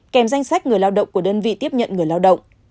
kèm danh sách người lao động của đơn vị tiếp nhận người lao động